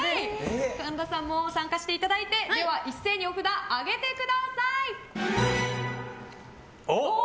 神田さんも参加していただいて一斉にお札、上げてください。